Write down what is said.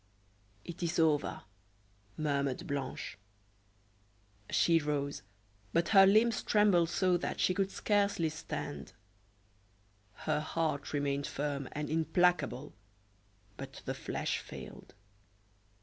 "It is over," murmured Blanche. She rose, but her limbs trembled so that she could scarcely stand. Her heart remained firm and implacable; but the flesh failed.